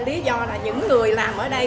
lý do là những người làm ở đây